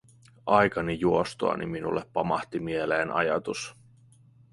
Aikani juostuani minulle pamahti mieleen ajatus: